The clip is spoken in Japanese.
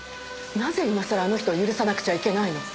なぜ今さらあの人を許さなくちゃいけないの？